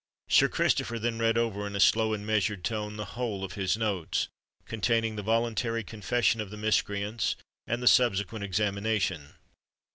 Sir Christopher then read over, in a slow and measured tone, the whole of his notes—containing the voluntary confession of the miscreants, and the subsequent examination.